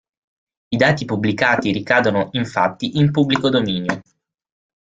I dati pubblicati ricadono infatti in pubblico dominio.